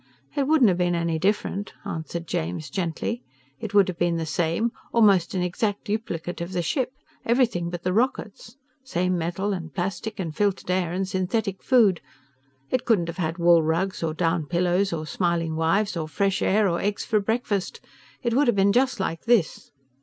"It wouldn't have been any different," answered James gently. "It would have been the same, almost an exact duplicate of the ship, everything but the rockets. Same metal and plastic and filtered air and synthetic food. It couldn't have had wool rugs or down pillows or smiling wives or fresh air or eggs for breakfast. It would have been just like this.